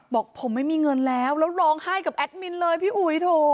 บอกผมไม่มีเงินแล้วแล้วร้องไห้กับแอดมินเลยพี่อุ๋ยโถ